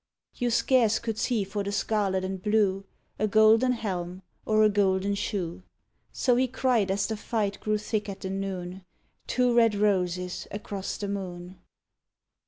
_ You scarce could see for the scarlet and blue, A golden helm or a golden shoe: So he cried, as the fight grew thick at the noon, _Two red roses across the moon!